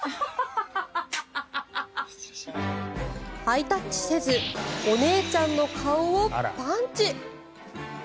ハイタッチせずお姉ちゃんの顔をパンチ。